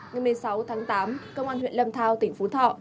ngày một mươi sáu tháng tám công an huyện lâm thao tỉnh phú thọ